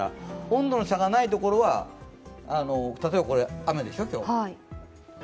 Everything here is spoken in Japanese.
温度の差がないところは例えば今日は雨でしょう。